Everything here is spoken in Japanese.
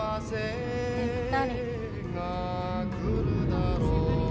べったり。